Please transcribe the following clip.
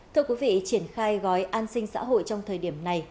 thưa quý vị triển khai gói an sinh xã hội trong thời điểm này